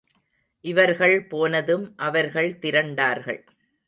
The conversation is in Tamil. இவர்கள் போனதும், அவர்கள் திரண்டார்கள்.